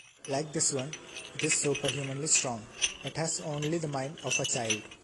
Like this one, it is superhumanly strong, but has only the mind of a child.